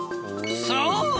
そう！